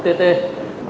đa phần là ott